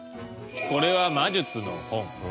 これは魔術の本。